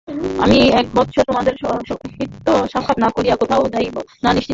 আমি এ বৎসর তোমাদের সহিত সাক্ষাৎ না করিয়া কোথাও যাইব না নিশ্চিত।